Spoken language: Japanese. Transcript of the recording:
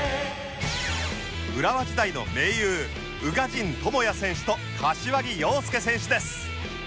浦和時代の盟友宇賀神友弥選手と柏木陽介選手です